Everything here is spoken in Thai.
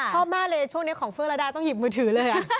ชอบมากเลยช่วงนี้ของเฟืองระดาต้องหยิบมือถือเลย